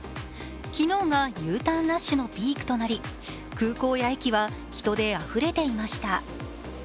昨日がＵターンラッシュのピークとなり空港や駅は人であふれていました。